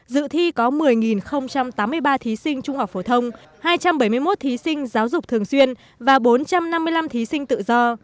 dự thi có một mươi tám mươi ba thí sinh trung học phổ thông hai trăm bảy mươi một thí sinh giáo dục thường xuyên và bốn trăm năm mươi năm thí sinh tự do